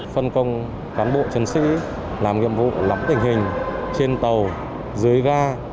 phân công cán bộ chiến sĩ làm nhiệm vụ lắm tình hình trên tàu dưới ga